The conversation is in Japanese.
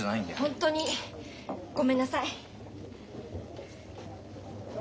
ホントにごめんなさい。